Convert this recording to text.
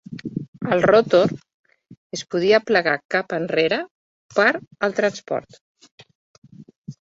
El rotor es podia plegar cap enrere per al transport.